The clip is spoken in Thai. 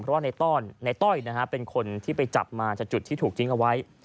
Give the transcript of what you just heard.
เพราะว่านายต้อนนายต้อยนะฮะเป็นคนที่ไปจับมาจากจุดที่ถูกจิ้งเอาไว้